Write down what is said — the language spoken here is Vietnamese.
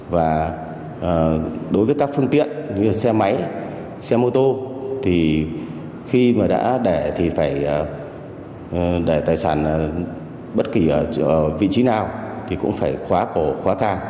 và đối với các phương tiện như xe máy xe mô tô thì khi mà đã để thì phải để tài sản bất kỳ ở vị trí nào thì cũng phải khóa cổ